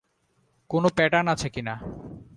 কোন প্যাটার্ন আছে কিনা?